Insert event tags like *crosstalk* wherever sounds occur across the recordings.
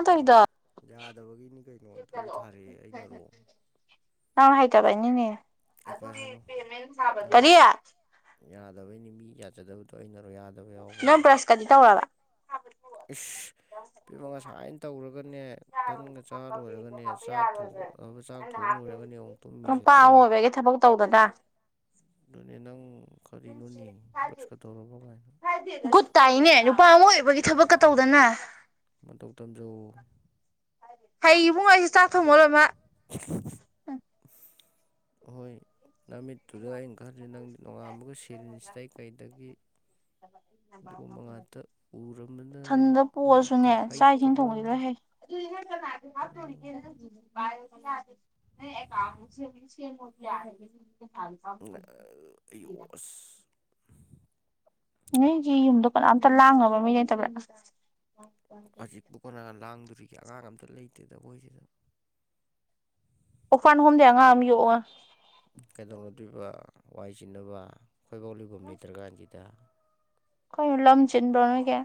ꯑꯇꯩꯗ ꯌꯥꯗꯕꯒꯤꯅꯤ ꯀꯩꯅꯣ ꯗꯨ ꯊꯥꯔꯛꯑꯦ ꯑꯩꯅꯔꯣ ꯅꯪ ꯍꯥꯏꯇꯥꯕꯩꯅꯤꯅꯦ ꯑꯩ ꯄꯥ ꯑꯗꯨꯒꯤ ꯁꯥꯅꯨ ꯄꯦꯃꯦꯟ ꯊꯥꯕ ꯅꯪ ꯀꯔꯤ ꯌꯥꯗꯕꯩꯅꯤ ꯃꯤ ꯌꯥꯖꯗꯕꯗꯣ ꯑꯩꯅꯔꯣ ꯌꯥ ꯅꯪ ꯕ꯭ꯔꯁ ꯀꯗꯤ ꯇꯧꯔꯕ ꯏꯁ ꯏꯄꯦꯃ ꯉꯁꯥꯏꯅ ꯇꯧꯔꯒꯅꯦ ꯇꯟꯒ ꯆꯥ ꯂꯣꯏꯔꯒꯅꯦ ꯆꯥꯛ ꯊꯣꯡ ꯑꯒ ꯆꯥꯛ ꯊꯣꯡꯂꯣꯢꯔꯒꯅꯤ ꯑꯃꯨꯛ ꯇꯨꯝꯃꯤꯁꯦꯀꯣ ꯑꯧꯕꯗꯥ ꯑꯗꯨꯅꯦ ꯅꯪ ꯀꯔꯤ ꯅꯣꯅꯤ ꯕꯔ꯭ꯁ ꯀ ꯇꯧꯔꯕꯒꯥꯏꯅ ꯒꯨꯠ ꯇꯥꯏꯅꯦ ꯅꯨꯄꯥ ꯑꯃ ꯑꯣꯏꯕꯒꯤ ꯊꯕꯛꯀ ꯇꯧꯗꯅ ꯃꯇꯧ ꯇꯝꯖꯧ ꯑꯣ ꯍꯩ ꯏꯕꯨꯡꯉꯣ ꯑꯩꯁꯨ ꯆꯥꯛ ꯊꯣꯡꯕ ꯂꯣꯏꯃꯛ *inaudible* ꯍꯣꯏ ꯅꯃꯤꯠ ꯇꯨꯗ ꯑꯩꯅ ꯈꯟꯂꯤꯁꯤ ꯅꯪꯗꯤ ꯅꯣꯡꯉꯥꯟꯕꯒ ꯁꯤꯔꯤꯟ꯭ꯁꯗꯩ ꯀꯩꯗꯒꯤ ꯑꯗꯨꯒꯨꯝꯕ ꯉꯥꯛꯇ ꯎꯔꯝꯕꯅ ꯏꯊꯟꯗ ꯄꯣꯛꯑꯁꯨꯅꯦ ꯆꯥꯛ ꯏꯁꯤꯡ ꯍꯩꯇꯕ꯭ꯔꯥ ꯊꯣꯡꯕꯗꯤ ꯂꯣꯏ ꯍꯩ *unintelligible* ꯀꯅꯥꯒꯤ ꯎꯝ ꯍꯥꯞꯇꯧꯔꯤꯒꯦ *unintelligible* ꯅꯪ ꯑꯦꯀꯥꯎꯟꯗꯣ ꯁꯦꯝ ꯁꯦꯝꯃꯣꯗꯤ *unintelligible* ꯄꯩꯁꯥꯗꯨꯒ *unintelligible* ꯑꯌꯣ ꯑꯁ ꯅꯣꯏꯒꯤ ꯌꯨꯝꯗꯣ ꯀꯅꯥꯝꯇ ꯂꯥꯡꯅꯕ ꯃꯤ ꯂꯩꯇꯕ꯭ꯔ ꯍꯧꯖꯤꯛꯄꯨ ꯀꯅꯥꯅ ꯂꯥꯡꯗꯣꯔꯤꯒꯦ ꯑꯉꯥꯡ ꯑꯝꯇ ꯂꯩꯇꯦꯗ ꯑꯈꯣꯏꯁꯤꯗ ꯑꯣꯔꯐꯥꯟ ꯍꯣꯝꯗꯩ ꯑꯉꯥꯡ ꯑꯃ ꯌꯣꯛꯑꯣꯅꯦ ꯀꯩꯗꯧꯅꯗꯣꯢꯕ ꯋꯥꯏ ꯆꯤꯟꯅꯕ ꯈꯣꯏꯕꯧ ꯂꯩꯕꯝ ꯂꯩꯇ꯭ꯔꯀꯥꯟꯁꯤꯗ ꯀꯩꯅꯣ ꯂꯝ ꯆꯤꯟꯕ꯭ꯔꯣ ꯅꯣꯏꯒꯤ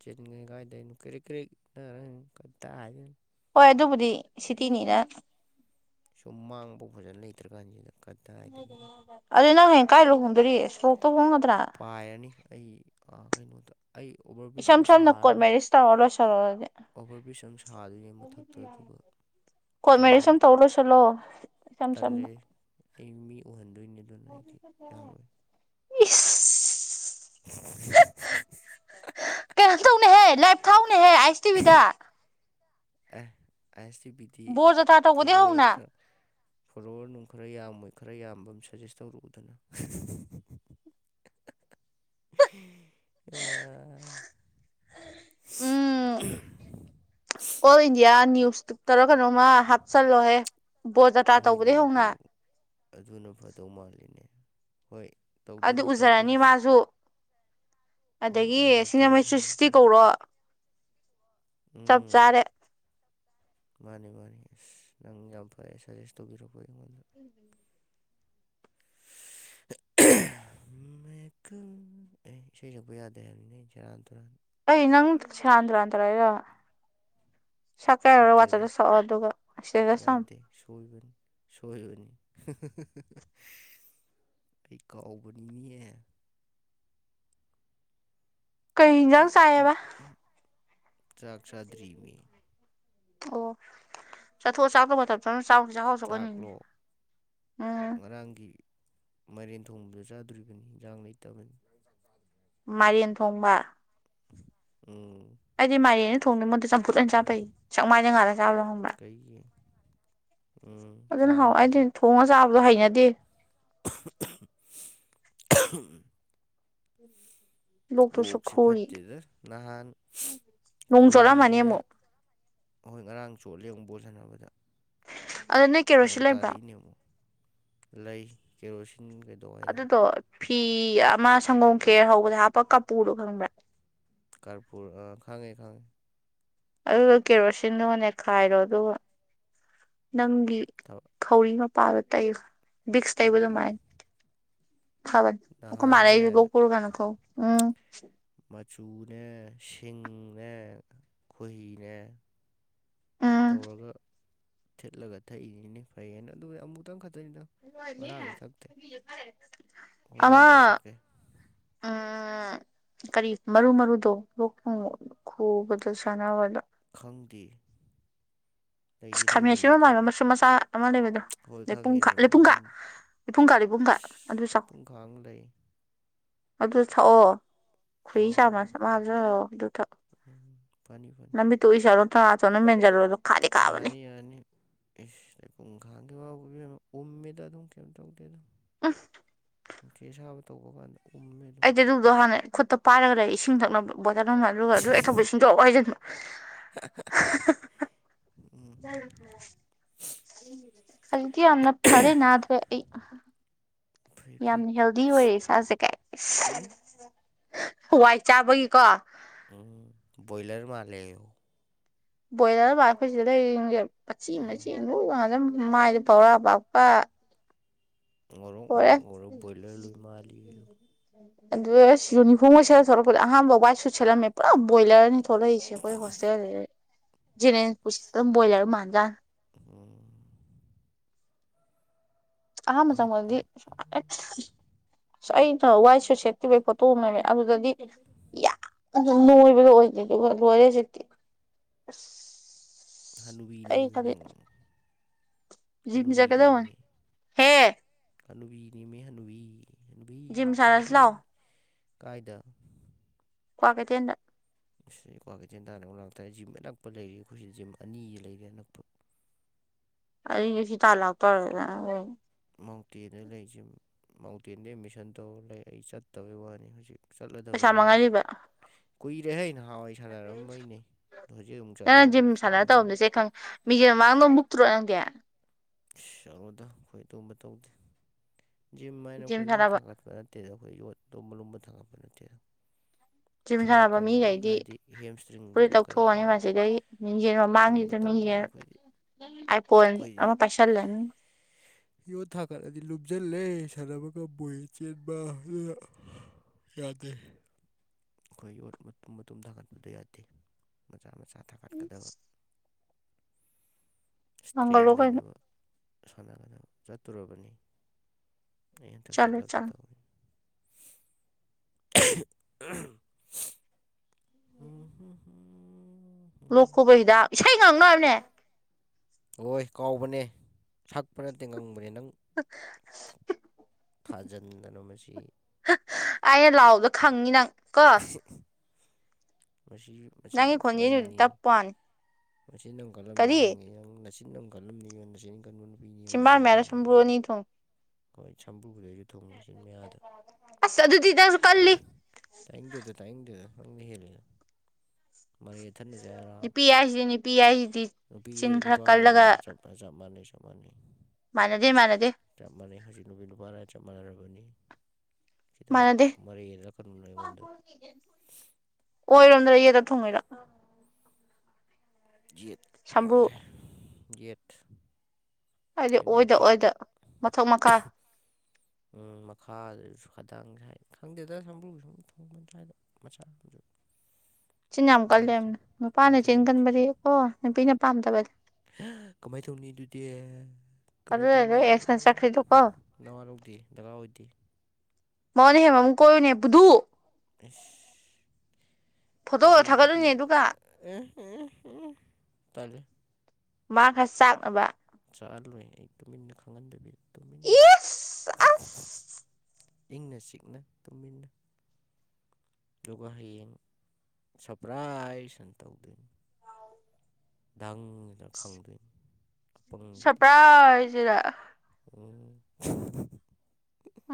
ꯆꯦꯟꯒ꯭ꯔꯦ ꯀꯥꯏꯗꯩꯅꯣ ꯀ꯭ꯔꯤꯛ ꯀ꯭ꯔꯤꯛ *unintelligible* ꯀꯗꯥꯢꯗꯩ ꯍꯣꯏ ꯑꯗꯨꯕꯨꯗꯤ ꯁꯤꯇꯤꯅꯤꯅ ꯁꯨꯃꯥꯡꯕꯥꯎ ꯐꯖꯅ ꯂꯩꯇ꯭ꯔ ꯀꯥꯟꯁꯤꯗ ꯀꯗꯥꯥꯏꯗꯒꯤ ꯑꯗꯨ ꯅꯪ ꯍꯌꯦꯡ ꯀꯥꯏ ꯂꯨꯍꯣꯡꯗꯣꯔꯤ ꯁꯣꯔꯣꯛꯇꯥ ꯍꯣꯡꯒꯗ꯭ꯔꯥ ꯄꯥꯏꯔꯅꯤ ꯑꯩ ꯑꯥ ꯀꯩꯅꯣꯗ ꯑꯩ ꯑꯣꯚꯔ ꯕ꯭ꯔꯤꯖ ꯏꯁꯝ ꯑꯝ ꯁꯝꯅ ꯀꯣꯔꯠ ꯁꯥꯔꯅꯤ ꯃꯦꯔꯤꯖ ꯇꯧꯔ ꯂꯣꯏꯁꯜꯂꯣ ꯑꯣꯕꯔ ꯕ꯭ꯔꯤꯖ ꯑꯃ ꯁꯥꯗꯨꯢꯅꯦ ꯃꯊꯛꯇꯥ ꯑꯗꯨꯒ ꯀꯣꯔꯠ ꯃꯦꯔꯤꯖ ꯇꯧꯔꯅꯤ ꯑꯝ ꯇꯧꯔꯥ ꯂꯣꯏꯁꯜꯂꯣ ꯏꯁꯝ ꯇꯜꯂꯦ ꯁꯝꯅ ꯑꯩ ꯃꯤ ꯎꯍꯟꯗꯣꯏꯅꯤ ꯑꯗꯨꯅ ꯑꯩꯗꯤ ꯌꯥꯔꯣꯏ ꯏꯁ *unintelligible* ꯀꯩꯅꯣ ꯇꯧꯅꯦꯍꯦ ꯂꯥꯏꯚ ꯊꯥꯎꯅꯦꯍꯦ ꯑꯥꯏ ꯑꯦꯁ ꯇꯤ ꯚꯤꯗ A I S T B ꯕꯣꯔ ꯖꯇ꯭ꯔꯥ ꯇꯧꯕꯗꯩ ꯍꯧꯅ ꯐꯣꯂꯣꯋꯔ ꯅꯨꯡ ꯈꯔ ꯌꯥꯝꯃꯣꯏ ꯈꯔ ꯌꯥꯝꯕ ꯑꯃ ꯁꯥꯖꯦꯁ ꯇꯧꯔꯛꯎꯗꯅ *inaudible* ꯑꯌꯥ ꯎꯝ ꯑꯣꯜ ꯏꯟꯗꯤꯌꯥ ꯅꯤꯌꯨꯁꯇꯔꯥ ꯀꯩꯅꯣꯃ ꯍꯥꯞꯆꯜꯂꯣꯍꯦ ꯕꯣꯔ ꯖꯥꯇ꯭ꯔꯥ ꯍꯣꯏꯅꯦ ꯇꯧꯕꯗꯩ ꯑꯗꯨ ꯍꯧꯅ ꯑꯗꯨꯅ ꯐꯗꯧ ꯃꯥꯜꯂꯤꯅꯦ ꯍꯣꯏ ꯑꯗꯨ ꯇꯧꯗꯣꯏꯅꯤ ꯎꯖꯔꯅꯤ ꯇꯧꯗꯣꯏꯅꯤꯁꯦ ꯃꯥꯁꯨ ꯍꯣꯏ ꯑꯗꯒꯤ ꯎꯍꯜꯂꯛꯇꯣꯏꯅꯤ ꯁꯤꯡꯖꯃꯩ ꯊ꯭ꯔꯤ ꯁꯤꯛꯁꯇꯤ ꯎꯍꯜꯂꯛꯇꯣꯏꯅꯤ ꯀꯧꯔꯣ ꯆꯞ ꯎꯝ ꯆꯥꯔꯦ ꯃꯥꯅꯤ ꯃꯥꯅꯤ ꯑꯁ ꯅꯪ ꯌꯥꯝ ꯐꯔꯦ ꯁꯥꯖꯦꯁ ꯇꯧꯕꯤꯔꯛꯄ ꯑꯩꯉꯣꯟꯗ *inaudible* *unintelligible* ꯑꯦ ꯏꯁꯩ ꯁꯛꯄ ꯌꯥꯗꯦ ꯍꯥꯏꯕꯅꯤꯅ ꯑꯩ ꯁꯦꯔꯥꯟ ꯇꯨꯔꯥꯟ ꯑꯩ ꯅꯪ ꯁꯦꯔꯥꯟ ꯇꯨꯔꯥꯟ ꯇꯧꯔꯛꯏꯔꯣ ꯁꯛꯀꯦ ꯍꯥꯏꯔꯥ ꯅꯠꯇꯦꯗ ꯋꯥꯆꯞꯇꯥ ꯁꯛꯑꯣ ꯑꯗꯨꯒ ꯏꯁ꯭ꯇꯦꯇꯁ ꯊꯝꯃꯣ ꯌꯥꯗꯦ ꯁꯣꯏꯕꯅꯤ ꯁꯣꯏꯕꯅꯤ ꯑꯩ ꯀꯥꯎꯕꯅꯤꯅꯦ ꯀꯩ ꯏꯟꯖꯥꯡ ꯎꯝ ꯎꯝ ꯆꯥꯏꯑꯕ ꯆꯥꯛ ꯆꯥꯗ꯭ꯔꯤ ꯑꯣ ꯆꯥꯊꯣꯛꯑꯣ ꯆꯥꯛꯇꯣ ꯃꯇꯝ ꯆꯥꯅ ꯆꯥꯎ ꯆꯈꯥꯎ ꯆꯥꯛꯂꯣ ꯉꯔꯥꯡꯒꯤ ꯃꯥꯏꯔꯦꯟ ꯊꯣꯡꯕꯗꯣ ꯆꯥꯗꯣꯔꯤꯕꯅꯤ ꯍꯤꯟꯖꯥꯡ ꯂꯩꯇꯕꯅꯤ ꯃꯥꯏꯔꯦꯟ ꯊꯣꯡꯕ ꯎꯝ ꯑꯩꯗꯤ ꯃꯥꯏꯔꯦꯟꯖꯤ ꯊꯣꯡꯕꯩ ꯃꯍꯨꯠꯇꯥ ꯆꯝꯐꯨꯠ ꯑꯣꯏꯅ ꯆꯥꯕꯅ ꯐꯩ ꯆꯥꯛꯃꯥꯏꯗ ꯉꯥꯂ ꯆꯥꯕꯗꯣ ꯈꯪꯕ꯭ꯔꯥ ꯀꯩꯒꯤ ꯎꯝ ꯑꯗꯨꯅ ꯆꯥꯏ ꯍꯥꯎꯋꯦ ꯑꯩꯗꯤ ꯑꯗꯨꯁꯨ ꯊꯣꯡꯉ ꯆꯥꯕꯗꯣ ꯍꯩꯅꯗꯦ *unintelligible* ꯂꯣꯛꯇꯨꯁꯨ ꯂꯣꯛꯁꯤ ꯈꯨꯔꯤ ꯐꯠꯇꯦꯗ ꯅꯍꯥꯟ ꯅꯣꯡ ꯆꯣꯠꯂꯝꯃꯅꯤ ꯈꯣꯏꯍꯤꯅꯦ ꯑꯃꯨꯛ ꯑꯍꯣꯏ ꯉꯔꯥꯡ ꯆꯣꯠꯂꯦ ꯑꯃꯨꯛ ꯕꯣꯜ ꯁꯥꯟꯅꯕꯗ ꯑꯗ ꯅꯣꯏ ꯀꯦꯔꯣꯁꯤꯟ ꯅꯣꯡ ꯂꯩꯕ꯭ꯔꯣ ꯇꯥꯔꯛꯏꯅꯦ ꯑꯃꯨꯛ ꯂꯩ ꯀꯦꯔꯣꯁꯤꯟꯒ ꯑꯗꯨꯗꯣ ꯐꯤ ꯑꯃ ꯁꯪꯒꯣꯝ ꯈꯦꯔ ꯍꯧꯕꯗ ꯍꯥꯞꯄ ꯀꯥꯄꯨꯔꯗꯣ ꯈꯪꯕ꯭ꯔꯥ ꯀꯔꯄꯨꯔ ꯑꯥ ꯈꯪꯉꯦ ꯈꯪꯉꯦ ꯑꯗꯨꯗꯣ ꯀꯦꯔꯣꯁꯤꯟꯗꯨꯒ ꯅꯦꯈꯥꯏꯔꯣ ꯑꯗꯨꯒ ꯅꯪꯒꯤ *unintelligible* ꯈꯧꯔꯤ ꯃꯄꯥꯗ ꯇꯩꯌꯨ ꯕꯤꯛꯁ ꯇꯩꯕ ꯑꯗꯨꯃꯥꯏꯅ ꯊꯥꯕꯟ ꯑꯈꯣꯏ ꯃꯥꯗꯩ ꯅꯍꯥꯟꯅꯦ ꯑꯩꯖꯨ ꯂꯣꯛ ꯈꯨꯔꯀꯥꯟꯗꯀꯣ ꯎꯝ ꯃꯆꯨꯅꯦ ꯁꯤꯡꯅꯦ ꯈꯣꯍꯤꯅꯦ ꯎꯝ ꯇꯧꯔꯒ ꯊꯤꯠꯂꯒ ꯊꯛꯏꯅꯤꯅꯦ ꯐꯩ ꯍꯥꯏꯅ ꯑꯗꯨ ꯑꯃꯨꯛꯇꯪ ꯈꯛꯇꯅꯤꯗꯥ ꯑꯃꯥ ꯍꯣꯔꯦꯟ ꯑꯃꯨꯛ ꯊꯛꯀꯦ ꯎꯝ ꯀꯔꯤ ꯃꯔꯨ ꯃꯔꯨꯗꯣ ꯂꯣꯛ ꯊꯨꯡꯕ ꯈꯨꯕꯗ ꯆꯥꯟꯅꯕꯗꯣ ꯈꯪꯗꯦ ꯑꯁ ꯂꯩꯗꯤ ꯈꯥꯃꯦꯟ ꯂꯩꯕꯅꯦ ꯑꯁꯤꯟꯕ ꯑꯗꯨꯝ ꯃꯥꯟꯕ ꯃꯆꯥ ꯃꯆꯥ ꯑꯃ ꯂꯩꯕꯗꯣ ꯍꯣꯏ ꯂꯩꯄꯨꯡꯈꯥ ꯈꯪꯉꯦꯅꯦ ꯂꯩꯄꯨꯡꯈꯥ ꯃꯃꯤꯡ ꯂꯩꯄꯨꯡꯈꯥ ꯂꯩꯄꯨꯡꯈꯥ ꯑꯗꯨ ꯆꯥꯎ ꯈꯥꯡꯂꯩ ꯑꯗꯨ ꯊꯛꯑꯣ ꯈꯣꯍꯤ ꯎꯝ ꯆꯥꯝꯃꯁ ꯑꯃ ꯍꯥꯞꯆꯂꯣ ꯑꯗꯨ ꯊꯛꯑꯣ ꯎꯝ ꯐꯅꯤ ꯐꯅꯤ ꯃꯤꯠꯇꯨ ꯎꯏꯁꯜꯂꯣ ꯅꯅꯇꯣꯟꯗꯨ ꯃꯦꯟꯖꯤꯂꯣ ꯑꯗꯣ ꯈꯥꯗꯤ ꯀꯥꯕꯅꯤ ꯌꯥꯅꯤ ꯌꯥꯅꯤ ꯏꯁ ꯂꯩꯄꯨꯡꯈꯥꯡꯒꯤ ꯋꯥꯕꯨ ꯏꯕꯦꯃꯥ ꯎꯝꯃꯤꯗ ꯑꯗꯨꯝ ꯀꯩꯝ ꯇꯧꯗꯦꯗꯥ ꯑꯁ ꯅꯨꯡꯁꯤ ꯑꯁꯥꯕ ꯇꯧꯕ ꯀꯥꯟꯗ ꯎꯝꯃꯦꯗ ꯑꯩꯗꯤ ꯑꯗꯨꯗꯣ ꯍꯥꯟꯅ ꯈꯨꯠꯇ ꯄꯥꯏꯔꯒ ꯂꯩ ꯏꯁꯤꯡ ꯊꯛꯅꯕꯗꯣ ꯕꯣꯇꯜ ꯑꯃ ꯑꯗꯨꯒ ꯑꯗꯨ ꯍꯦꯛ ꯊꯛꯄ ꯏꯁꯤꯡꯗꯣ ꯖꯦꯔꯣ ꯍꯩꯖꯤꯟꯕ ꯎꯝ *unintelligible* ꯍꯧꯖꯤꯛꯇꯤ ꯌꯥꯝꯅ ꯐꯔꯦ ꯅꯥꯗ꯭ꯔꯦ ꯑꯩ ꯐꯩ ꯌꯥꯝ ꯐꯩ ꯍꯦꯜꯗꯤ ꯑꯣꯏꯔꯦ ꯏꯁꯥꯁꯦ ꯀꯦ ꯎꯝ ꯍꯋꯥꯏ ꯆꯥꯕꯒꯤꯀꯣ ꯎꯝ ꯕꯣꯏꯂꯔ ꯃꯥꯂꯦꯌꯣ ꯕꯣꯏꯂꯔ ꯑꯩꯈꯣꯏꯁꯤꯗ ꯂꯩꯔꯤꯁꯦꯆꯦ ꯃꯆꯦ ꯎꯝ ꯂꯨ ꯉꯖꯝ ꯃꯥꯏꯗ ꯐꯧꯔꯥ ꯄꯥꯛꯄ ꯂꯣꯏꯔꯦ *unintelligible* ꯕꯣꯏꯂꯔ ꯂꯣꯏ ꯃꯥ ꯂꯤ ꯑꯗꯨ ꯌꯨꯅꯤꯐꯣꯔꯝꯒ ꯁꯦꯂ ꯁꯂꯛꯄꯗ ꯑꯍꯥꯟꯕ ꯋꯥꯏꯠ ꯁꯨꯠꯦꯠꯂꯝꯃꯦ ꯄꯨꯔꯥ ꯕꯣꯏꯂꯔꯅꯤ ꯊꯣꯛꯂꯏꯁꯦ ꯑꯩꯈꯣꯏ ꯍꯣꯁꯇꯦꯜꯗ *unintelligible* ꯕꯣꯏꯂꯔ ꯃꯥꯟꯖꯥꯠꯅꯦ ꯎꯝ ꯑꯍꯥꯟꯕ ꯆꯪꯕꯗꯗꯤ ꯑ ꯑꯩꯅ ꯋꯥꯏꯁꯨ ꯁꯦꯠꯈꯕꯩ ꯄꯣꯠꯇꯣꯑꯝꯃꯦꯅꯦ ꯑꯗꯨꯗꯗꯤ ꯌꯥꯝꯅ ꯅꯣꯏꯕꯗꯣ ꯑꯣꯏꯗ ꯂꯣꯏꯔꯦ ꯍꯧꯁꯤꯛꯇꯤ ꯍꯅꯨꯕꯤꯅꯦꯃꯤꯅꯪ ꯖꯤꯝ ꯆꯠꯀꯗꯣ ꯍꯦ ꯍꯅꯨꯕꯤꯅꯦꯃꯤ ꯍꯅꯨꯕꯤ ꯍꯅꯨꯕꯤ ꯖꯤꯝ ꯁꯥꯟꯅꯁꯤ ꯍꯅꯨꯕꯤ ꯂꯥꯛꯑꯣ ꯀꯥꯏꯗ ꯀ꯭ꯋꯥꯛ ꯀꯩꯊꯦꯟꯗ ꯑꯁꯤ ꯀ꯭ꯋꯥꯀꯩꯇꯦꯟ ꯇꯥꯟ ꯑꯃ ꯂꯥꯛꯇꯥꯔꯦ ꯖꯤꯝ ꯑꯅꯛꯄ ꯂꯩꯔꯤ ꯑꯩꯈꯣꯏꯁꯤ ꯖꯤꯝ ꯑꯅꯤꯒꯤ ꯂꯩꯔꯦ ꯑꯅꯛꯄ ꯑꯩ ꯉꯁꯤ ꯇꯥꯟ ꯂꯥꯛꯇꯧꯔꯦꯗꯅ ꯍ ꯃꯥꯎꯟꯇꯦꯟꯗ ꯂꯩꯁꯦ ꯃꯥꯎꯟꯇꯦꯟꯗ ꯑꯦꯠꯃꯤꯁꯟ ꯇꯧꯔ ꯂꯩ ꯑꯩ ꯆꯠꯇꯕꯩ ꯋꯥꯅꯤ ꯍꯧꯖꯤꯛ ꯄꯩꯁꯥ ꯆꯠꯂꯗꯕꯅꯦ ꯑꯃꯨꯛ ꯃꯥꯡꯍꯜꯂꯤꯕ ꯀꯨꯏꯔꯦ ꯍ ꯅꯍꯥꯟꯋꯥꯏ ꯁꯥꯟꯅꯔꯝꯕꯩꯅꯦ ꯑꯗꯣ ꯍꯧꯖꯤꯛ ꯑꯃꯨꯛ ꯆꯠꯂ ꯅꯪ ꯖꯤꯝ ꯑꯃꯨꯛ ꯁꯥꯟꯅꯅ ꯁꯥꯟꯅꯕ ꯌꯥꯅꯤ ꯇꯧꯔꯝꯃꯤꯁꯦ ꯈꯪ ꯃꯤꯁꯦꯡ ꯃꯃꯥꯡꯗꯣ ꯃꯨꯛꯇ꯭ꯔꯣ ꯅꯪꯗꯦ ꯁꯔꯣꯗ ꯑꯩꯈꯣꯏ ꯑꯗꯨꯝꯕ ꯇꯧꯗꯦ ꯖꯤꯝ ꯍꯥꯏꯅ ꯑꯩꯈꯣꯏ ꯌꯣꯠ ꯊꯥꯒꯠꯄꯗ ꯅꯠꯇꯦꯗ ꯑꯩꯈꯣꯏ ꯌꯣꯠꯇꯣ ꯂꯨꯝꯕ ꯂꯨꯝꯕ ꯊꯪꯒꯠꯄ ꯅꯠꯇꯦꯗ ꯖꯤꯝ ꯏꯁꯥ ꯁꯥꯟꯅꯕ ꯀꯟꯅꯕ ꯃꯤꯈꯩꯗꯤ ꯍꯥꯏꯗꯤ ꯍꯦꯝ ꯏꯁꯇ꯭ꯔꯤꯡꯒ ꯐꯨꯔꯤꯠ ꯀꯩꯀꯥ ꯂꯧꯊꯣꯛꯑꯅꯤ ꯃꯁꯤꯗꯩ ꯑꯗꯨꯒꯨꯝꯕ ꯇꯧꯕꯅꯤ ꯐꯔ ꯑꯥꯏ ꯐꯣꯟ ꯑꯃ ꯄꯩꯁꯜꯂꯅꯤ ꯌꯣꯠ ꯊꯥ ꯀꯠꯂꯗꯤ ꯂꯨꯝꯁꯤꯜꯂꯦ ꯁꯥꯟꯅꯕꯒ ꯃꯣꯏꯌꯦ ꯆꯦꯟꯕ ꯌꯥꯗꯦ꯫ ꯑꯈꯣꯏ ꯌꯣꯠ ꯃꯇꯨꯝ-ꯃꯇꯨꯝ ꯊꯥꯒꯠꯄꯗꯨ ꯌꯥꯗꯦ ꯃꯆꯥ-ꯃꯆꯥ ꯊꯥꯡꯒꯠꯀꯗꯕ꯫ ꯏꯁ꯭ꯇ꯭ꯔꯦꯡ ꯃꯪꯒꯜꯂꯣ ꯀꯩꯅꯣ ꯂꯩꯅꯕ ꯁꯥꯟꯅꯒꯗꯕ ꯆꯠꯇꯨꯔꯕꯅꯤ꯫ ꯑꯩ ꯍꯟꯗꯛ ꯆꯠꯂꯦ ꯆꯠꯂꯒꯦ ꯆꯠꯂꯦ ꯇꯧꯕꯅꯤ꯫ *unintelligible* *unintelligible* ꯂꯣꯛꯈꯨꯕ ꯍꯤꯗꯥꯛ ꯏꯁꯩ ꯉꯥꯡꯅꯅꯦ꯫ ꯍꯣꯏ ꯀꯥꯎꯕꯅꯦ ꯁꯛꯄ ꯅꯠꯇꯦ ꯉꯪꯕꯅꯦ ꯅꯪ *unintelligible* ꯊꯥꯖꯟꯗꯅ ꯃꯁꯤ ꯑꯩꯅ ꯂꯥꯎꯕꯗ ꯈꯪꯉꯤ ꯅꯪ ꯀꯣ꯫ ꯃꯁꯤ ꯃꯁꯤ ꯅꯪꯒꯤ ꯅꯪ ꯈꯣꯟꯖꯦꯜꯗꯨꯗꯤ ꯈꯪꯑꯝꯅꯤ꯫ ꯇꯞꯄ ꯋꯥꯅꯤ ꯅꯆꯤꯟ ꯅꯝ ꯀꯜꯂꯝꯅꯤ ꯀꯔꯤ ꯈꯪꯉꯦ ꯅꯪ ꯅꯆꯤꯟ ꯑꯃ ꯀꯜꯂꯝꯅꯤꯉ ꯅꯆꯤꯟ ꯀꯟꯕ ꯅꯨ ꯆꯤꯟꯕꯥꯟ ꯃꯌꯥꯗ ꯁꯝꯕ꯭ꯔꯨ ꯑꯅꯤ ꯊꯨꯡ ꯍꫭꯏ ꯁꯝꯕ꯭ꯔꯨꯗꯩ *inaudible* ꯑꯁ ꯑꯗꯨꯗꯤ ꯅꯪꯖꯨ ꯀꯜꯂꯤ꯫ ꯇꯥꯅꯤꯡꯗꯦꯗ ꯇꯥꯅꯤꯡꯗꯦꯗ ꯅꯪꯅꯦ ꯍꯦꯜꯂꯤ꯫ ꯃꯔꯩ ꯌꯦꯊꯠꯅꯁꯦ ꯍꯥꯏꯔꫭ ꯅꯨꯄꯤ ꯍꯥꯏꯁꯤꯗꯤ ꯅꯨꯄꯤ ꯍꯥꯏꯁꯤꯗꯤ ꯆꯤꯟ ꯅꯨꯄꯤꯒꯦꯔꯥ ꯈꯔ ꯀꯜꯂꯒ ꯅꯨꯄꯥꯒꯦꯔꯥ ꯆꯞ ꯄ ꯆꯞ ꯃꯥꯅꯩ ꯁꯞ ꯃꯥꯅꯩ꯫ ꯃꯥꯟꯅꯗꯦ-ꯃꯥꯟꯅꯗꯦ꯫ ꯃꯥꯟꯅꯩ ꯍꯧꯖꯤꯛ ꯅꯨꯕꯤ ꯅꯨꯕꯥ ꯔꯥꯏꯠ ꯆꯞ ꯃꯥꯅꯔꯕꯅꯤ꯫ ꯁꯤꯗ ꯃꯥꯟꯅꯗꯦ ꯃꯔꯩ ꯌꯦꯔꯛꯀꯅꯨꯅ ꯑꯩꯉꯣꯟꯗ꯫ *inaudible* ꯑꯣꯏꯔꯣꯝꯗ꯭ꯔꯥ ꯌꯦꯠꯗ ꯊꯨꯡꯉꯤꯔꯣ꯫ ꯌꯦꯠ ꯁꯝꯕ꯭ꯔꯨ *inaudible* ꯌꯦꯞ ꯑꯥꯏꯗꯤ ꯑꯣꯏꯗ ꯑꯣꯏꯗ ꯃꯊꯛ ꯃꯈꯥ꯫ ꯎꯝ ꯃꯈꯥꯗꯨꯁꯨ ꯈꯗꯥꯥꯡ ꯁꯥꯏ ꯈꯪꯗꯦꯗ ꯁꯝꯝꯕ꯭ꯔꯨ ꯁꯨꯝ ꯊꯨꯡꯕ꯫ *inaudible* ꯆꯤꯟ ꯌꯥꯝ ꯀꯜꯂꯦꯕꯅ ꯅꯨꯄꯥꯅ ꯌꯦꯡꯁꯤꯜꯂꯨꯗꯦ ꯆꯤꯟꯒꯟꯕꯗꯤ ꯀꯣ ꯅꯨꯄꯤꯅ ꯄꯥꯝꯗꯕꯅꯤ꯫ *unintelligible* ꯀꯃꯥꯏ ꯇꯧꯅꯤ ꯑꯗꯨꯗꯤ ꯀꯃꯥꯏ ꯑꯗꯨꯅ ꯇꯧꯅꯤ꯫ ꯅꯣꯏ ꯑꯦꯛꯁꯅ ꯆꯠꯈ꯭ꯔꯤꯗꯣꯀꯣ ꯅꯋꯥ ꯂꯧꯗꯦ ꯗꯔꯀꯥꯔ ꯑꯣꯏꯗꯦ꯫ ꯃꯉꯣꯟꯗꯩ ꯍꯦꯟꯕ ꯑꯃ ꯀꯣꯏꯌꯨꯅꯦ ꯕꯨꯗꯨ꯫ ꯑꯩꯁ꯫ ꯐꯣꯇꯣꯒ ꯊꯥꯒꯠꯂꯨꯅꯦ ꯑꯗꯨꯒꯥ꯫ *unintelligible* ꯇꯜꯂꯤ꯫ ꯃꯥꯥ ꯈꯔ ꯆꯥꯛꯅꯕ꯫ ꯆꯥꯍꯜꯂꯣꯏ ꯑꯩ ꯇꯨꯃꯤꯟꯅ ꯈꯪꯍꯟꯗꯕꯤ ꯇꯨꯃꯤꯟꯅ꯫ ꯏꯁ *unintelligible* ꯑꯁ ꯏꯪꯅ ꯆꯤꯛꯅ ꯇꯨꯃꯤꯟꯅ꯫ ꯑꯗꯨꯒ ꯍꯌꯦꯡ ꯁꯄ꯭ꯔꯥꯏ ꯑꯅ ꯇꯧꯗꯣꯏꯅꯤ꯫ ꯗꯪꯅ ꯈꯪꯗꫭꯏꯅꯤ꯫ ꯁꯄ꯭ꯔꯥꯏꯁꯤꯔ꯫ ꯎꯝ꯫ *unintelligible*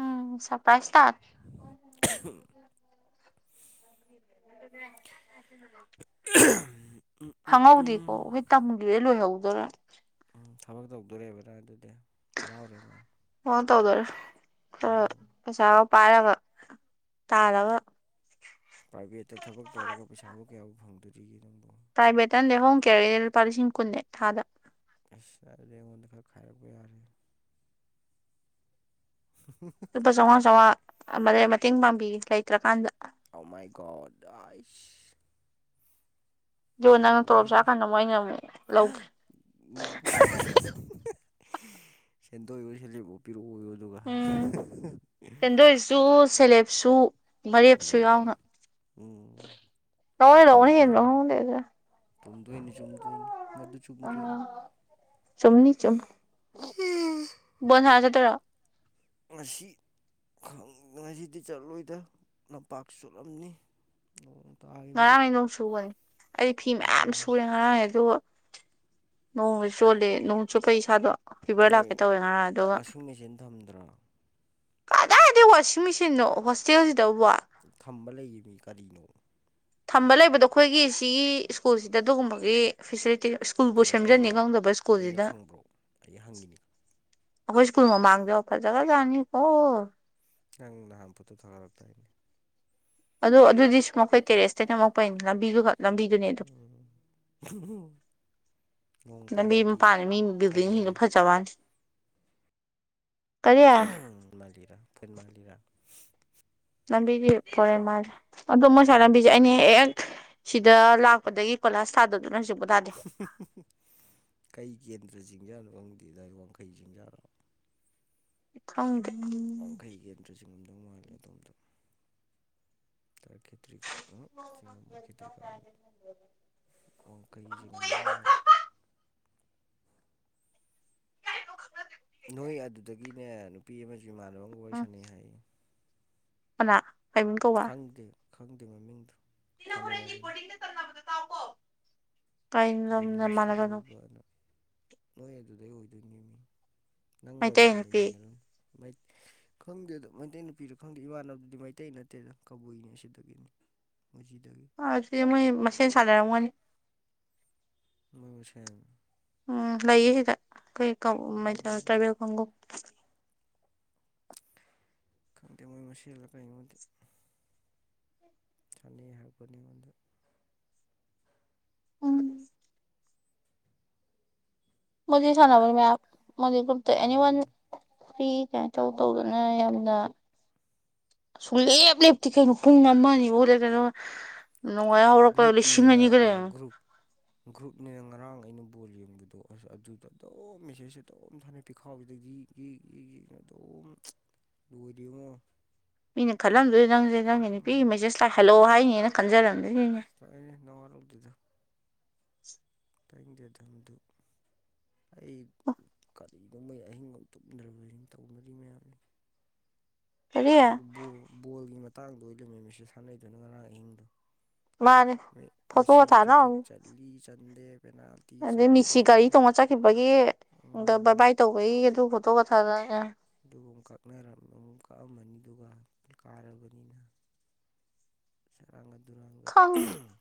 ꯎꯝ ꯁꯔꯄ꯭ꯔꯥꯏꯖ ꯇꯥ *unintelligible* *inaudible* ꯈꯪꯉꯧꯗꯦꯀꯣ ꯋꯤꯠ ꯇꯝꯒꯤꯗ ꯂꯣꯏꯍꯧꯗꫭꯔ꯫ ꯎꯝ ꯊꯕꯛ ꯇꯧꯗꯣꯔꯦꯕ ꯅꯪ ꯑꯗꯨꯗꯤ ꯍꯔꯥꯎꯔꯦꯗꯅ꯫ ꯑꯣ ꯇꯧꯗꯧꯔꯦ ꯈꯔ ꯄꯩꯁꯥꯒ ꯄꯥꯏꯔꯒ ꯇꯥꯜꯂꯒ ꯄ꯭ꯔꯥꯏꯚꯦꯠꯇ ꯊꯕꯛ ꯇꯧꯔꯒ ꯄꯩꯁꯥꯕꯨ ꯀꯌꯥꯕꯨ ꯐꯪꯗꯣꯔꯤꯒꯦ ꯅꯪꯕꯨ ꯄ꯭ꯔꯥꯏꯚꯦꯠꯇꯅ ꯍꯣꯝ ꯀꯦꯌ꯭ꯔꯒꯤ ꯂꯨꯄꯥ ꯂꯤꯁꯤꯡ ꯀꯨꯟꯅꯅꯦ ꯊꯥꯗ ꯑꯁ ꯑꯗꯨꯗꯤ ꯑꯩꯉꯣꯟꯗ ꯈꯔ ꯈꯥꯏꯔꯛꯄ ꯌꯥꯔꯦ *unintelligible* ꯂꯨꯄꯥ ꯆꯧꯉꯥ ꯆꯧꯉꯥ ꯑꯃꯗꯩ ꯃꯇꯦꯡ ꯄꯥꯡꯕꯤꯒꯦ ꯂꯩꯇ꯭ꯔꯀꯥꯟꯗ ꯑꯥꯎ ꯃꯥꯏꯒꯣꯗ ꯑꯥꯏꯁ ꯑꯗꯨꯒ ꯅꯪꯅ ꯇꯣꯂꯣꯞ ꯆꯥꯔꯀꯥꯟꯗ ꯑꯃꯨꯛ ꯑꯩꯅ ꯑꯃꯨꯛ ꯂꯧꯒꯦ ꯎꯝ *unintelligible* ꯁꯦꯟꯗꯣꯢꯋꯣ ꯁꯦꯜꯂꯤꯐ ꯄꯤꯔꯛꯑꯣꯌꯣ ꯑꯗꯨꯒ ꯎꯝ *unintelligible* ꯁꯦꯟꯗꯣꯏꯁꯨ ꯁꯦꯂꯦꯞꯁꯨ ꯃꯔꯦꯞꯁꯨ ꯎꯝ ꯌꯥꯎꯅ ꯎꯝ ꯆꯨꯝꯗꯣꯏꯅꯤ ꯂꯧ *unintelligible* ꯆꯨꯝꯗꯣꯏꯅꯤ ꯆꯨꯝꯝꯗꯣꯏꯅꯤ ꯃꯗꯨ ꯆꯨꯝꯗꯣꯏꯅꯤ ꯕꯣꯟ ꯁꯥꯟ ꯆꯠꯇꯣꯢꯔꯣ ꯉꯁꯤ ꯈꯪ ꯉꯁꯤꯗꯤ ꯆꯠꯂꯣꯏꯗ ꯂꯝꯄꯥꯛ ꯆꯣꯠꯂꯝꯅꯤ ꯅꯣꯡ ꯇꯥꯢ ꯉꯔꯥꯡꯉꯩ ꯅꯣꯡ ꯁꯨꯕꯅꯤ ꯑꯩꯗꯤ ꯐꯤ ꯃꯌꯥꯝ ꯎꯝ ꯁꯨꯔꯦ ꯉꯔꯥꯡꯅꯦ ꯑꯗꯣ ꯅꯣꯡꯃ ꯆꯣꯠꯂꯦ ꯅꯣꯡ ꯆꯣꯠꯄꯩ ꯏꯁꯥꯗꯣ ꯐꯤꯚꯔ ꯂꯥꯛꯀꯦ ꯇꯧꯋꯦ ꯉꯔꯥꯡ ꯑꯗꯨꯒ ꯇꯝꯗ꯭ꯔꯥ ꯀꯗꯥꯏꯗꯩ ꯋꯥꯁꯤꯡ ꯃꯦꯆꯤꯟꯅꯣ ꯍꯣꯁꯇꯦꯜꯁꯤꯗꯧꯕꯣ ꯊꯝꯕ ꯂꯩꯌꯦ ꯃꯤ ꯀꯔꯤꯅꯣ ꯊꯝꯕ ꯂꯩꯕꯗꯣ ꯑꯩꯈꯣꯏꯒꯤ ꯁꯤꯒꯤ ꯁ꯭ꯀꯨꯜꯁꯤꯗ ꯑꯗꯨꯒꯨꯝꯕꯒꯤ ꯐꯦꯁꯤꯂꯤꯇꯤ ꯁ꯭ꯀꯨꯜꯕꯨ ꯑꯗꯣ ꯁꯦꯝꯖꯟꯅꯤ ꯑꯩꯅ ꯈꯪꯗꯕ ꯑꯩꯅ ꯁ꯭ꯀꯨꯜꯖꯤꯗ ꯈꯪꯕ꯭ꯔꯣ ꯑꯩ ꯍꯪꯉꯤꯅꯤ ꯑꯩꯈꯣꯏ ꯁꯀꯨꯜ ꯑꯃ ꯃꯃꯥꯡꯗꯣ ꯐꯔꯖꯒꯔ ꯖꯥꯠꯅꯤ ꯀꯣ ꯅꯪ ꯅꯍꯥꯟ ꯐꯣꯠꯇꯣ ꯊꯥꯒꯠꯂꯛ ꯇꯥꯏꯅꯦ ꯑꯗꯣ ꯑꯗꯨꯗꯤ ꯁꯃꯣꯛ ꯀꯩꯀꯩ ꯑꯦꯇꯦꯠ ꯅꯝꯃꯛꯄꯅꯤ ꯂꯝꯕꯤꯗꯨꯒ ꯂꯝꯕꯤꯗꯨꯅꯦ ꯑꯗꯨꯝ ꯎꯝ *unintelligible* ꯅꯣꯡ ꯂꯝꯕꯤ ꯇꯥꯔꯗꯤ ꯃꯄꯥꯟ ꯃꯤ ꯕꯤꯜꯗꯤꯡꯁꯤꯡꯗꯣ ꯐꯖꯔꯦ ꯐꯖꯕꯅꯤ ꯀꯔꯤ ꯃꯥ ꯂꯤꯔ ꯐ ꯃꯥ ꯂꯤꯔ ꯂꯝꯕꯤꯗꯤ ꯐꯣꯔꯦꯟ ꯃꯥꯜꯂꯦ ꯑꯗꯣ ꯃꯁꯥ ꯂꯝꯕꯤꯁꯦ ꯑꯩꯅ ꯍꯦꯛ ꯁꯤꯗ ꯂꯥꯛꯄꯗꯒꯤ ꯀꯣꯂꯥꯁ ꯊꯥꯗꯕꯗꯨꯅ *unintelligible* *unintelligible* ꯀꯩ ꯀꯦꯟꯗ꯭ꯔ ꯆꯤꯡꯖꯥꯅꯣ ꯈꯪꯗꯦ ꯑꯗꯥꯏ ꯋꯥꯡꯈꯩ ꯆꯤꯡꯖꯥꯂꯣ ꯈꯪꯗꯦ ꯋꯥꯡꯈꯩ ꯀꯦꯟꯗ꯭ꯔ ꯆꯤꯡ ꯉꯝꯗꯧ ꯃꯥꯜꯂꯦ ꯑꯗꯣꯝꯗꯣ ꯇꯔꯈꯦꯇ꯭ꯔꯤ ꯎꯝ ꯆꯤꯡ ꯉꯝꯃꯣꯏ ꯈꯦꯇ꯭ꯔꯤꯒꯥꯎ ꯋꯥꯡꯈꯩ ꯆꯤꯡꯉꯝꯗꯧ ꯃꯥꯜꯂꯤ ꯅꯣꯏ ꯑꯗꯨꯗꯒꯤꯅꯦ ꯅꯨꯄꯤ ꯑꯃꯁꯨ ꯏꯃꯥꯟꯅꯕ ꯑꯃꯒ ꯋꯥꯔꯤ ꯎꯝ ꯁꯥꯟꯅꯩ ꯍꯥꯏꯌꯦ ꯀꯅꯥ ꯀꯩ ꯃꯤꯡ ꯀꯧꯕꯧ ꯈꯪꯗꯦ ꯈꯪꯗꯦ ꯃꯃꯤꯡꯗꯣ ꯁꯥꯟꯅꯩ ꯍꯥꯏꯕꯅꯤ ꯀꯩ ꯂꯝꯅ ꯖꯅꯤꯝꯁꯇ ꯃꯥꯟꯅꯕꯅꯣ ꯂꯩꯕꯅ ꯅꯣꯏ ꯑꯗꯨꯗꯩ ꯑꯣꯏꯗꯣꯏꯅꯦꯃꯤ ꯅꯪꯒ ꯃꯩꯇꯩ ꯔꯨꯝ ꯅꯨꯄꯤ ꯂꯩꯃꯤꯟꯅꯔꯝꯅꯤ ꯃꯥꯏ ꯈꯪꯗꯦꯗ ꯃꯩꯇꯩ ꯅꯨꯄꯤꯔ ꯈꯪꯗꯦ ꯏꯃꯥꯟꯅꯕꯗꯨꯗꯤ ꯃꯩꯇꯩ ꯅꯠꯇꯦꯗ ꯀꯕꯨꯏꯅꯦ ꯁꯤꯗꯒꯤꯅꯤ ꯃꯨꯖꯤꯗꯒꯤ ꯑꯥ ꯁꯤꯗ ꯃꯣꯏ ꯃꯁꯦꯟ ꯁꯥꯟꯅꯔꯝꯒꯅꯤ ꯃꯣꯏ ꯃꯁꯦꯟ ꯎꯝ ꯂꯩꯌꯦ ꯁꯤꯗ ꯈꯣꯏ ꯀꯧ *unintelligible* ꯇ꯭ꯔꯥꯏꯕꯦꯜ ꯈꯣꯡꯕꯨ ꯈꯪꯗꯦ ꯃꯣꯏ ꯃꯁꯦꯜꯂ ꯀꯩꯅꯣꯗꯤ ꯊꯥꯅꯩ ꯍꯥꯏꯔꯛꯄꯅꯤ ꯉꯣꯟꯗ ꯎꯝ ꯃꯣꯏꯗꯤ ꯁꯥꯟꯅꯕꯅꯤ ꯃꯌꯥꯝ ꯃꯣꯏꯗꯤ ꯒ꯭ꯔꯨꯞꯇ ꯑꯦꯅꯤ ꯋꯥꯟ ꯐ꯭ꯔꯤ ꯀꯩꯅꯣ ꯇꯧ ꯇꯧꯗꯅ ꯌꯥꯝꯅ ꯁꯨꯂꯦꯞ ꯂꯦꯞꯇꯤ ꯀꯩꯅꯣ ꯄꯨꯡ ꯑꯃ ꯑꯅꯤ *unintelligible* ꯅꯣꯡꯋꯥꯏ ꯍꯧꯔꯛꯄ ꯒꯔꯨꯞ ꯂꯤꯁꯤꯡ ꯅꯦꯅ ꯑꯅꯤꯒ ꯑ ꯂꯩꯔꯝꯃꯦ ꯒ꯭ꯔꯨꯨꯞ ꯒ꯭ꯔꯨꯞꯅꯦꯅ ꯉꯔꯥꯡ ꯑꯩꯅ ꯕꯣꯜ ꯌꯦꯡꯕꯗꯣ ꯑꯁ ꯑꯗꯨꯗ ꯑꯗꯨꯝ ꯃꯦꯁꯦꯖꯁꯦ ꯑꯗꯨꯣꯝ ꯊꯥꯟꯅꯩ ꯄꯤꯈꯥꯎꯁꯤꯗ ꯒꯤ ꯒꯤ ꯒꯤ ꯒꯤꯅ ꯑꯗꯨꯝ ꯂꯣꯏꯗꯦ ꯉꯣ ꯃꯤꯅ ꯈꯜꯂꯝꯗꯣꯏ ꯅꯪꯁꯦ ꯅꯪꯒꯤ ꯅꯨꯄꯤꯒꯤ ꯃꯦꯁꯦꯖ ꯂꯥꯛ ꯍꯜꯂꯣ ꯍꯥꯏꯅꯦꯅ ꯈꯟꯖꯔꯝꯗꯣꯏꯅꯤꯅꯦ *unintelligible* ꯅꯤ ꯅꯋꯥ ꯂꯧꯗꯦꯗ ꯇꯥꯏꯅꯤꯡꯗꯦꯗ ꯑꯗꯨ ꯑꯩ ꯀ ꯏꯒꯣꯡ ꯃꯩ ꯑꯍꯤꯡꯒ ꯑꯝ ꯇꯨꯝꯗ꯭ꯔꯕ *unintelligible* ꯇꯧꯅꯔꯤ ꯃꯌꯥꯝ ꯀꯔꯤ ꯑꯗꯨꯒ ꯕꯣꯜ ꯕꯣꯜꯒꯤ ꯃꯇꯥꯡꯗꯣ ꯑꯣꯏꯂꯩꯔꯝꯃꯤ ꯃꯦꯁꯦꯖ ꯊꯥꯟꯅꯩꯗꯨꯅ ꯉꯔꯥꯡ ꯑꯍꯤꯡꯗꯣ ꯃꯥꯅꯤ ꯐꯣꯇꯣ ꯊꯥꯅ ꯑꯝ ꯂꯤ ꯆꯟꯗꯦ ꯄꯦꯅꯥꯜ ꯑꯗꯩ ꯃꯤꯁꯤ ꯒꯥꯔꯤ ꯇꯣꯡꯑ ꯆꯠꯈꯤꯕꯒꯤ ꯎꯝ ꯕꯥꯏ ꯕꯥꯏ ꯇꯧꯕꯒꯤ ꯑꯗꯨ ꯐꯣꯇꯣꯒ ꯊꯥꯔꯛꯑꯦ ꯑꯗꯨꯒ ꯑꯃ ꯀꯛꯅꯔꯝ ꯑꯃꯨꯛ ꯀꯛꯑꯝꯃꯅꯤ ꯑꯗꯨꯒ ꯀꯥꯔꯕꯅꯤꯅ ꯁꯦꯔꯥꯟꯒ ꯇꯨꯔꯥꯟꯒ ꯈꯪꯗꯦ *unintelligible*